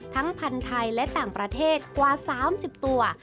พันธุ์ไทยและต่างประเทศกว่า๓๐ตัว